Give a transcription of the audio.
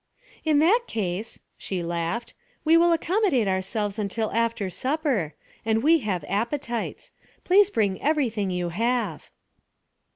'In that case,' she laughed, 'we will accommodate ourselves until after supper and we have appetites! Please bring everything you have.'